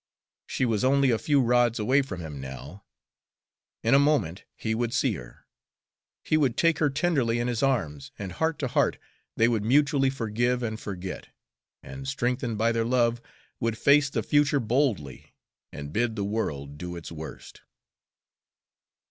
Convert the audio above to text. She was only a few rods away from him now. In a moment he would see her; he would take her tenderly in his arms, and heart to heart they would mutually forgive and forget, and, strengthened by their love, would face the future boldly and bid the world do its worst.